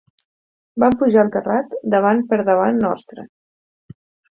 Van pujar al terrat, davant per davant nostre